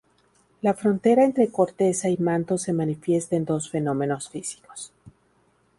La frontera entre corteza y manto se manifiesta en dos fenómenos físicos.